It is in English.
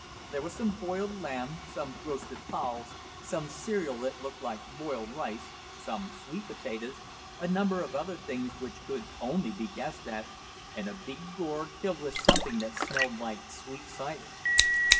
There was some boiled lamb, some roasted fowls, some cereal that looked like boiled rice, some sweet potatoes, a number of other things which could only be guessed at, and a big gourd filled with something that smelled like sweet cider.